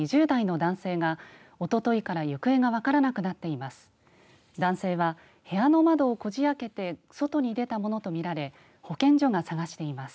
男性は部屋の窓をこじあけて外に出たものとみられ保健所が捜しています。